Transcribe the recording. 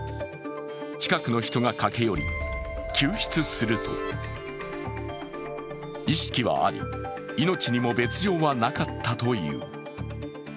近くの人が駆け寄り救出すると意識はあり、命にも別状はなかったという。